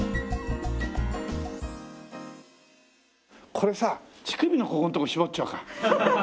これさ乳首のここんとこ絞っちゃおうか。